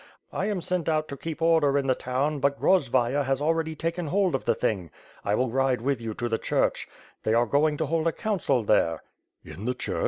I am sent out to keep order in the town but Grozvayer has already taken hold of the thing. I will ride with you to the church. They are going to hold a council there." "In the church?"